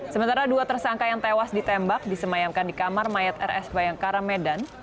sementara dua tersangka yang tewas ditembak disemayamkan di kamar mayat rs bayangkara medan